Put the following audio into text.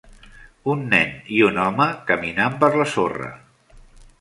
Un nen i un home caminant per la sorra.